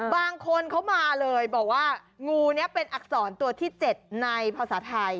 บางคนเขามาเลยบอกว่างูนี้เป็นอักษรตัวที่๗ในภาษาไทย